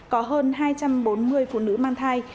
có hơn hai trăm bốn mươi phụ nữ mang thai